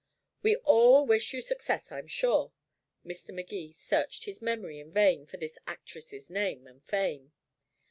"We all wish you success, I'm sure." Mr. Magee searched his memory in vain for this "actress's" name and fame.